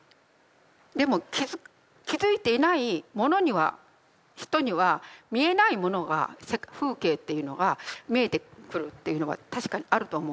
でも気付いていない者には人には見えないものが風景っていうのが見えてくるっていうのは確かにあると思うんですね。